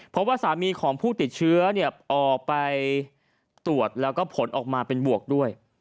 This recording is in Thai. เพราะว่าสามีของผู้ติดเชื้อออกไปตรวจแล้วก็ผลออกมาเป็นบวกด้วย